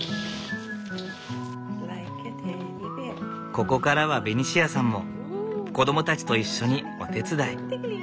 ここからはベニシアさんも子供たちと一緒にお手伝い。